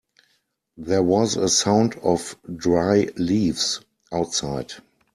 There was a sound of dry leaves outside.